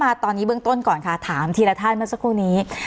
มาตอนนี้เบื้องต้นก่อนค่ะถามทีละท่านเมื่อสักครู่นี้